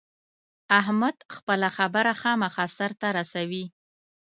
احمد خپله خبره خامخا سر ته رسوي.